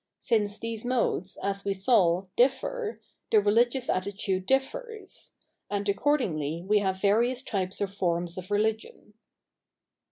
Since these modes, as we saw, diJffer, the religious attitude differs ; and accordingly we have various types or forms of religion.